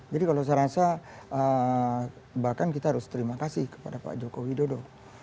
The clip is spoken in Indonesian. jadi kalau saya rasa bahkan kita harus terima kasih kepada pak jokowi dodo